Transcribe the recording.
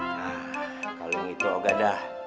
nah kalau gitu oh gak dah